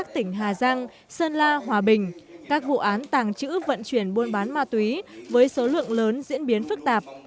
tỉnh hà giang sơn la hòa bình các vụ án tàng trữ vận chuyển buôn bán ma túy với số lượng lớn diễn biến phức tạp